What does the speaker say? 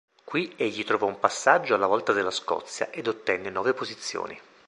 Qui egli trovò un passaggio alla volta della Scozia ed ottenne nuove posizioni.